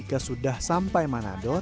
sekarang sudah sampai skyland tetempangan hill